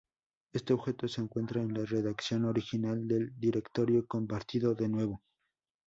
Este objeto se encuentra en la redacción original del directorio compartido de nuevo.